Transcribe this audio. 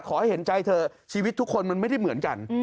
เห็นใจเธอชีวิตทุกคนมันไม่ได้เหมือนกัน